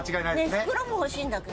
ねぇ袋も欲しいんだけど。